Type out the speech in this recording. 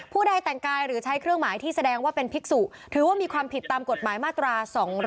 ใดแต่งกายหรือใช้เครื่องหมายที่แสดงว่าเป็นภิกษุถือว่ามีความผิดตามกฎหมายมาตรา๒๗